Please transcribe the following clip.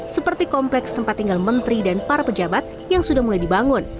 seperti kompleks tempat tinggal menteri dan para pejabat yang sudah mulai dibangun